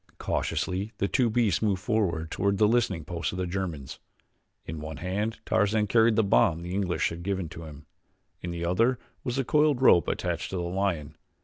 Cautiously the two beasts moved forward toward the listening post of the Germans. In one hand Tarzan carried the bomb the English had given him, in the other was the coiled rope attached to the lion.